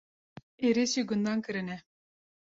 Êrişî gundan kirine.